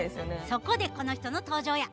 そこでこの人の登場や。